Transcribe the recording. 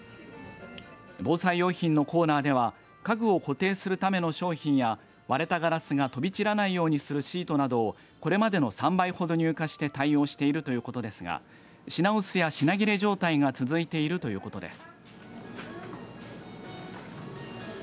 防災用品のコーナーでは家具を固定するための商品や割れたガラスが飛び散らないようにするシートなどをこれまでの３倍ほど入荷して対応しているということですが品薄や品切れ状態が続いているということです。